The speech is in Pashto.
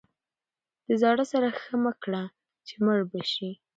د زاړه سره ښه مه کړه چې مړ به شي.